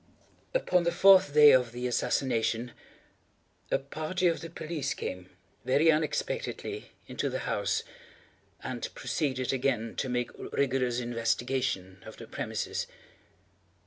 Upon the fourth day of the assassination, a party of the police came, very unexpectedly, into the house, and proceeded again to make rigorous investigation of the premises.